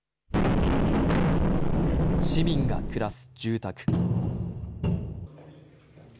市民が暮らす住宅。